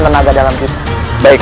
tenaga dalam kita baik